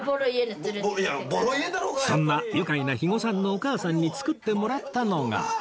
そんな愉快な肥後さんのお母さんに作ってもらったのが